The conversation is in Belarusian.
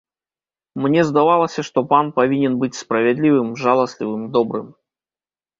Мне здавалася, што пан павінен быць справядлівым, жаласлівым, добрым.